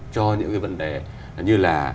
cho những cái vấn đề như là